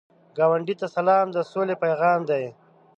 ګاونډي ته سلام، د سولې پیغام دی